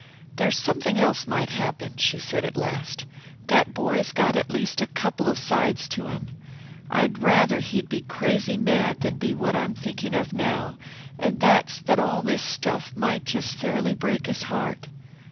"There's something else might happen," she said at last. "That boy's got at least a couple of sides to him. I'd rather he'd be crazy mad than be what I'm thinking of now, and that's that all this stuff might just fairly break his heart.